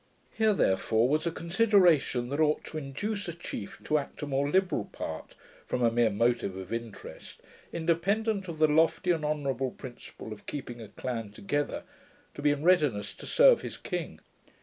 Here, therefore was a consideration that ought to induce a chief to act a more liberal part, from a mere motive of interest, independent of the lofty and honourable principle of keeping a clan together, to be in readiness to serve his king.